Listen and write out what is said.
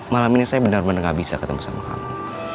malam ini saya benar benar gak bisa ketemu sama kamu